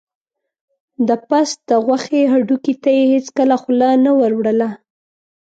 د پس د غوښې هډوکي ته یې هېڅکله خوله نه وروړله.